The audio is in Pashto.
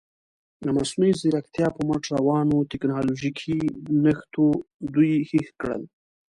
د مصنوعي زیرکتیا په مټ روانو تکنالوژیکي نښتو دوی هېښ کړل.